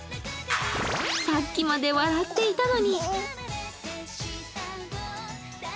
さっきまで笑っていたのに。